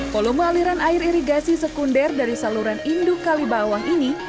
volume aliran air irigasi sekunder dari saluran induk kalibawang ini